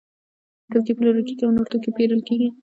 توکي پلورل کیږي او نور توکي پیرل کیږي.